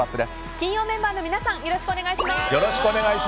金曜メンバーの皆さんよろしくお願いします。